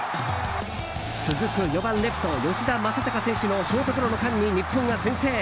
続く４番、レフト吉田正尚選手のショートゴロの間に日本が先制。